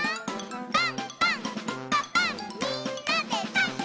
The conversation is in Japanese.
「パンパンんパパンみんなでパン！」